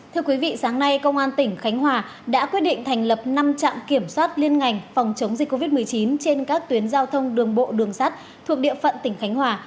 thưa quý vị sáng nay công an tỉnh khánh hòa đã quyết định thành lập năm trạm kiểm soát liên ngành phòng chống dịch covid một mươi chín trên các tuyến giao thông đường bộ đường sắt thuộc địa phận tỉnh khánh hòa